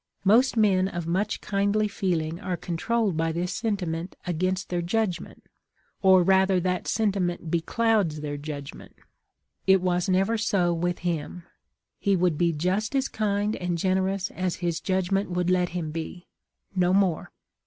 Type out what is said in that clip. Most men of much kindly feeling are controlled by this sentiment against their judg ment, or rather that sentiment beclouds their judg ment. It was never so with him; he would be just as kind and generous as his judgment would let him be — no more.